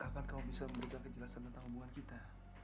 kapan kamu bisa memberikan kejelasan tentang hubungan kita